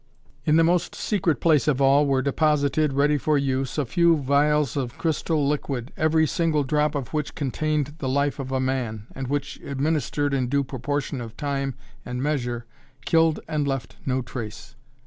In the most secret place of all were deposited, ready for use, a few phials of a crystal liquid, every single drop of which contained the life of a man, and which, administered in due proportion of time and measure, killed and left no trace.